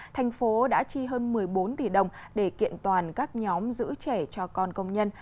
thành phố đã chi hơn một mươi bốn tỷ đồng để kiện toàn các nhóm giữ trẻ cho con công nhân